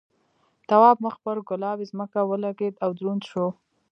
تواب مخ پر گلابي ځمکه ولگېد او دروند شو.